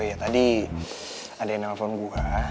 ya tadi ada yang nelfon gue